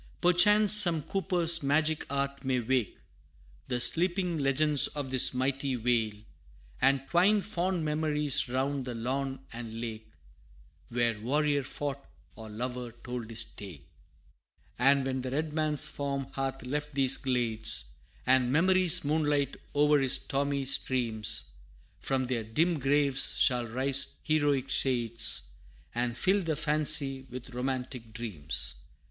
Perchance some Cooper's magic art may wake The sleeping legends of this mighty vale, And twine fond memories round the lawn and lake, Where Warrior fought or Lover told his tale: And when the Red Man's form hath left these glades, And memory's moonlight o'er his story streams, From their dim graves shall rise heroic shades, And fill the fancy with romantic dreams.